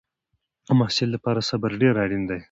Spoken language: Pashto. د محصل لپاره صبر ډېر اړین دی.